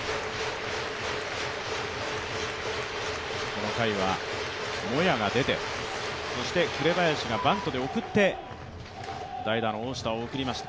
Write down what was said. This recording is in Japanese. この回はモヤが出て、紅林がバントで送って代打の大下を送りました。